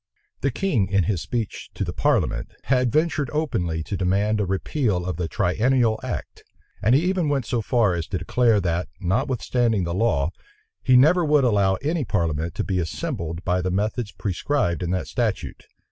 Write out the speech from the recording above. The king, in his speech to the parliament, had ventured openly to demand a repeal of the triennial act; and he even went so far as to declare that, notwithstanding the law, he never would allow any parliament to be assembled by the methods prescribed in that statute.